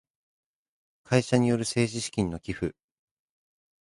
会社による政治資金の寄付